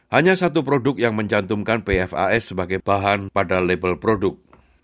hanya satu produk yang mencantumkan pfas sebagai bahan pada label produk